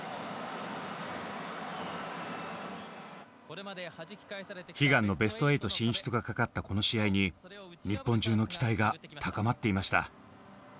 ２０１８年ロシアで行われた悲願のベスト８進出がかかったこの試合に日本中の期待が高まっていました。